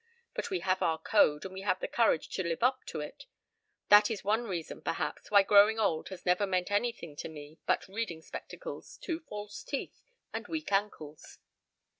But we have our code and we have the courage to live up to it. That is one reason, perhaps, why growing old has never meant anything to me but reading spectacles, two false teeth, and weak ankles.